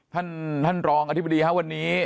ท่านท่านรองอธิบดีครับวันนี้